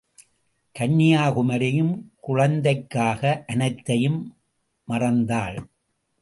கன்யாகுமரியும் குழந்தைக்காக அனைத்தையும் மறந்தாள்.